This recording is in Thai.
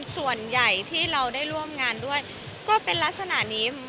ส่วนใหญ่ที่เราได้ร่วมงานด้วยก็เป็นลักษณะนี้